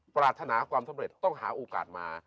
ปรารถนาความสำเร็จต้องหาโอกาสมา